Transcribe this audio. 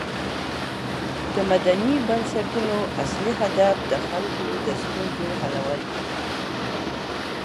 د مدني بنسټونو اصلی هدف د خلکو د ستونزو حلول دي.